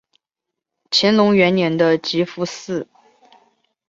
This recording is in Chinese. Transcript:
乾隆元年的集福祠。